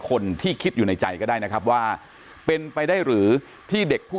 คนที่คิดอยู่ในใจก็ได้นะครับว่าเป็นไปได้หรือที่เด็กผู้